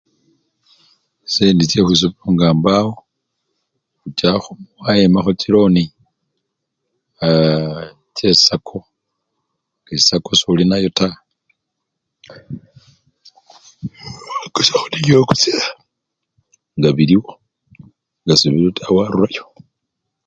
Chisendi chekhwisomelo nga mbawo, khuchakho khwayimakho chiloni chechi sako, ngesako soli nayo taa, wakusya nibyo okusya nga biliwo, nga sebiliwo taa warurayo.